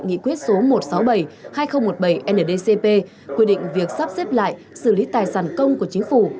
nghị quyết số một trăm sáu mươi bảy hai nghìn một mươi bảy ndcp quy định việc sắp xếp lại xử lý tài sản công của chính phủ